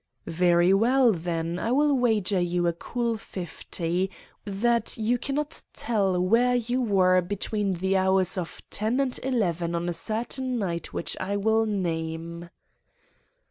"'Very well, then, I will wager you a cool fifty, that you cannot tell where you were between the hours of ten and eleven on a certain night which I will name.